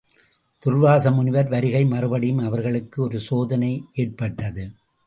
துர்வாசமுனிவர் வருகை மறுபடியும் அவர்களுக்கு ஒரு சோதனை ஏற்பட்டது.